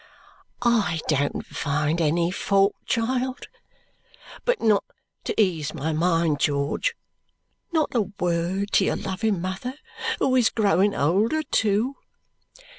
"I don't find any fault, child but not to ease my mind, George? Not a word to your loving mother, who was growing older too?"